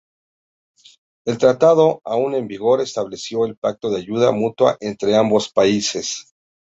El tratado, aún en vigor, estableció el pacto de ayuda mutua entre ambos países.